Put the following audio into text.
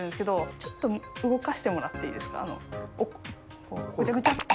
ちょっと動かしてもらっていいですか。